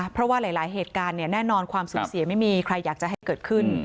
เพราะว่าหลายเหตุการณ์แน่นอนความสูญเสียไม่มีใครอยากจะให้เกิดขึ้น